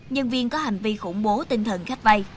nhân viên có hành vi khủng bố tinh thần khách vay